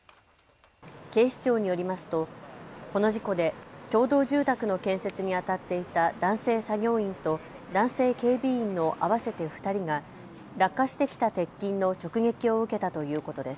警視庁によりますとこの事故で共同住宅の建設にあたっていた男性作業員と男性警備員の合わせて２人が落下してきた鉄筋の直撃を受けたということです。